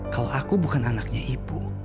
kalau aku bukan anaknya ibu